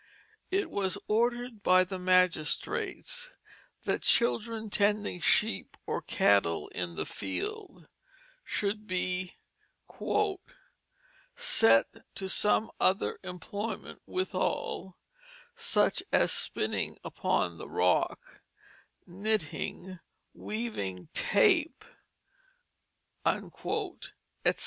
It was ordered by the magistrates that children tending sheep or cattle in the field should be "set to some other employment withal, such as spinning upon the rock, knitting, weaving tape," etc.